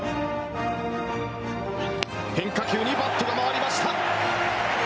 変化球にバットが回りました。